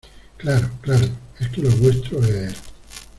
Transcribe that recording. claro, claro. es que lo vuestro es